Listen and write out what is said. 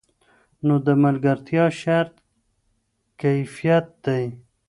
نو د ملګرتیا شرط کیفیت دی.